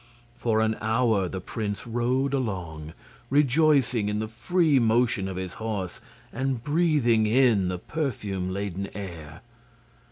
For an hour the prince rode along, rejoicing in the free motion of his horse and breathing in the perfume laden air.